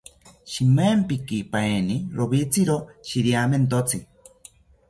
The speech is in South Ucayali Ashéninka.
Shimaempikipaeni rowitziro shiriamentotzi